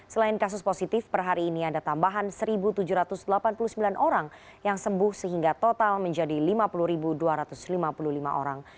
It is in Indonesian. selain kasus positif per hari ini ada tambahan satu tujuh ratus delapan puluh sembilan orang yang sembuh sehingga total menjadi lima puluh dua ratus lima puluh lima orang